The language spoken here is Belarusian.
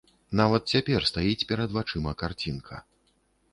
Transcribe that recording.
Нават цяпер стаіць перад вачыма карцінка.